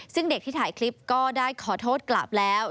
ซึ่งเด็กที่ถ่ายคลิปก็ได้ขอโทษกลับแล้ว